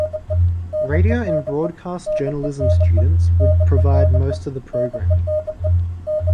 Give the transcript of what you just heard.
Radio and broadcast journalism students would provide most of the programming.